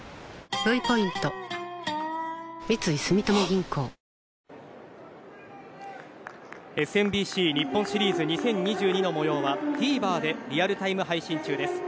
「ほんだし」でＳＭＢＣ日本シリーズ２０２２の模様はＴＶｅｒでリアルタイム配信中です。